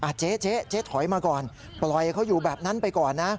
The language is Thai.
เจ๊เจ๊ถอยมาก่อนปล่อยเขาอยู่แบบนั้นไปก่อนนะ